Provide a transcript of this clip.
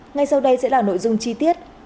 ngay sau đây sẽ là nội dung chi tiết